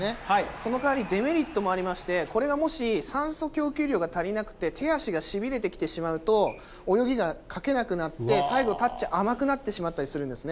そのかわり、デメリットもありまして、これがもし、酸素供給量が足りなくて、手足がしびれてきてしまうと、泳ぎがかけなくなって、最後タッチ、甘くなってしまったりするんですね。